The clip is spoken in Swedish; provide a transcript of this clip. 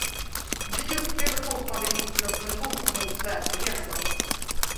Vi upplever fortfarande Hitler som ett hot mot säkerheten.